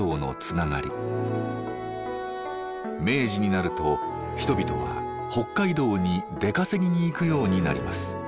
明治になると人々は北海道に出稼ぎに行くようになります。